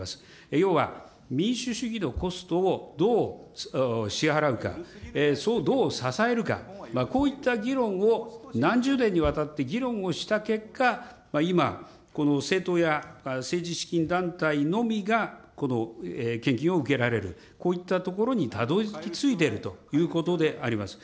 要は、民主主義のコストをどう支払うか、それをどう支えるか、こういった議論を何十年にわたって議論をした結果、今、この政党や政治資金団体のみが献金を受けられる、こういったところにたどりついてるということであります。